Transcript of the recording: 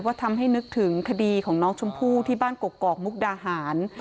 ทำให้นึกถึงคดีของน้องชมพู่ที่บ้านกกอกมุกดาหาร